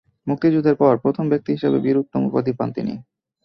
মুক্তিযুদ্ধের পর প্রথম ব্যক্তি হিসেবে 'বীর উত্তম' উপাধি পান তিনি।